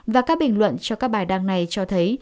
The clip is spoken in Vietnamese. và các bình luận cho các bài đăng này cho thấy